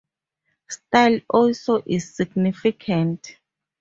Style also is significant.